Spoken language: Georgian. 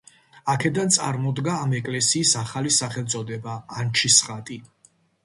აქედან წარმოდგა ამ ეკლესიის ახალი სახელწოდება „ანჩისხატი“.